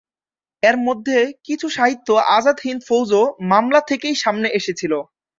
এর মধ্যে কিছু সাহিত্য আজাদ হিন্দ ফৌজ মামলা থেকেই সামনে এসেছিল।